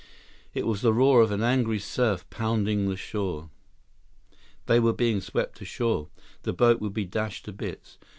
It was the roar of an angry surf pounding the shore. They were being swept ashore. The boat would be dashed to bits.